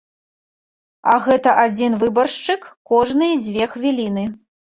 А гэта адзін выбаршчык кожныя дзве хвіліны.